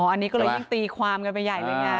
อันนี้ก็เลยยิ่งตีความกันไปใหญ่เลยไง